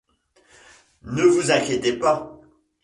Ne vous inquiétez pas.